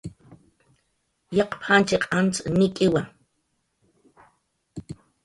"Yaqp"" jaqiq antz nik'iwa"